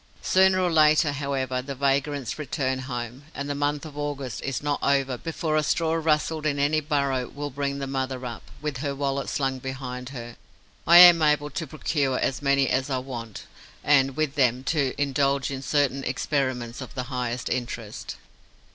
Sooner or later, however, the vagrants return home; and the month of August is not over before a straw rustled in any burrow will bring the mother up, with her wallet slung behind her. I am able to procure as many as I want and, with them, to indulge in certain experiments of the highest interest.